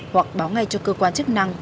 hoặc báo ngay cho cơ quan chức năng